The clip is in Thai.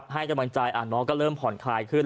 ให้กำลังใจน้องก็เริ่มผ่อนคลายขึ้น